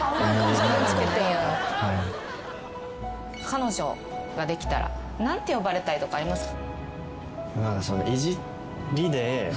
彼女ができたら何て呼ばれたいとかありますか？